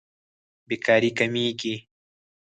بېکاري کمېږي.